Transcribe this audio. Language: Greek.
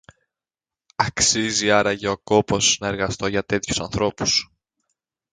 Αξίζει άραγε ο κόπος να εργαστώ για τέτοιους ανθρώπους